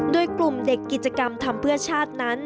โดยกลุ่มเด็กกิจกรรมทำเพื่อชาตินั้น